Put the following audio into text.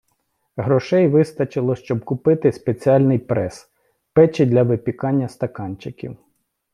Грошей вистачило, щоб купити спеціальні прес - печі для випікання стаканчиків.